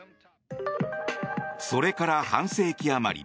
それから半世紀あまり。